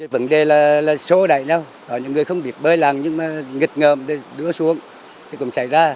vấn đề là số đại nhau những người không biết bơi làng nhưng mà nghịch ngợm đưa xuống thì cũng xảy ra